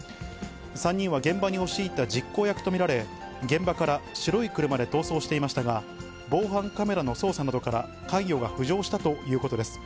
３人は現場に押し入った実行役と見られ、現場から白い車で逃走していましたが、防犯カメラの捜査などから関与が浮上したということです。